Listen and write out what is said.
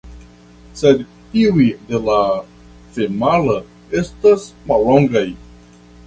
Sed tiuj de la femala estas mallongaj.